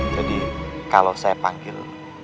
jadi kalau saya panggil